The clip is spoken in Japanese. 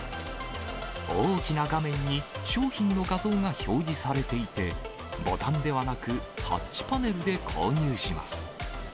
大きな画面に商品の画像が表示されていて、ボタンではなくタッチパネルで購入します。